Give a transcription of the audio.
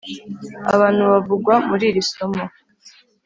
abantu bavugwa muri iri somo